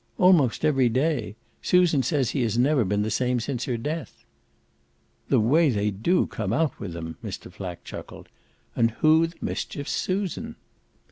"Almost every day. Susan says he has never been the same since her death." "The way they do come out with 'em!" Mr. Flack chuckled. "And who the mischief's Susan?"